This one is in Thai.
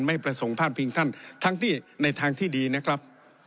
ไม่ประสงค์พลาดพิงท่านทั้งที่ในทางที่ดีนะครับ